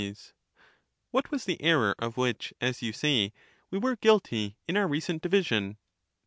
What was the error of which, as you say, we were guilty in our recent division